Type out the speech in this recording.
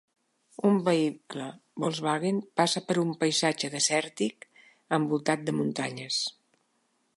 Un vehicle Volkswagen passa per un paisatge desèrtic envoltat de muntanyes.